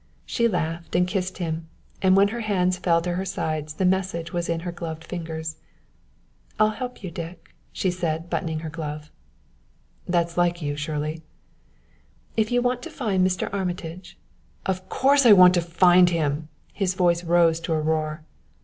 She laughed and kissed him, and when her hands fell to her side the message was in her gloved fingers. "I'll help you, Dick," she said, buttoning her glove. "That's like you, Shirley." "If you want to find Mr. Armitage " "Of course I want to find him " His voice rose to a roar.